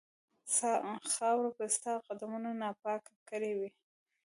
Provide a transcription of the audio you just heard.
خاوره به ستا قدمونو ناپاکه کړې وي.